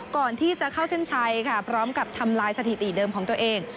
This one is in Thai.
ก่อนที่จะเข้าเส้นชัยค่ะพร้อมกับทำลายสถิติเดิมของตัวเอง